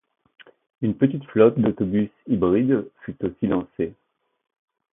Une petite flotte d'autobus hybrides fut aussi lancée.